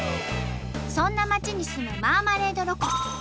そんな街に住むマーマレードロコ。